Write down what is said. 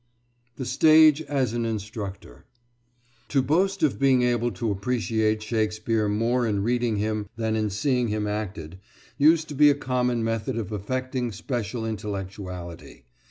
THE STAGE AS AN INSTRUCTOR To boast of being able to appreciate Shakespeare more in reading him than in seeing him acted used to be a common method of affecting special intellectuality.